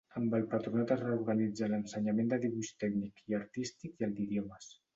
Amb el Patronat es reorganitza l'ensenyament de dibuix tècnic i artístic i el d'idiomes.